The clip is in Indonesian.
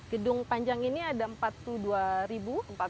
gedung panjang ini ada empat puluh dua ribu